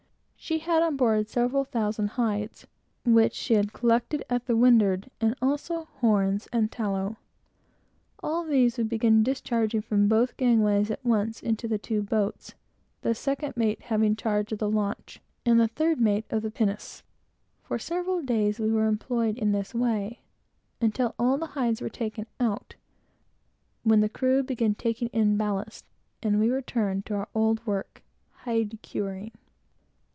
She had, on board, seven thousand hides, which she had collected at the windward, and also horns and tallow. All these we began discharging, from both gangways at once, into the two boats, the second mate having charge of the launch, and the third mate of the pinnace. For several days, we were employed in this way, until all the hides were taken out, when the crew began taking in ballast, and we returned to our old work, hide curing.